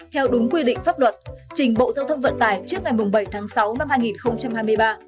theo đúng quy định pháp luật trình bộ giao thông vận tải trước ngày bảy tháng sáu năm hai nghìn hai mươi ba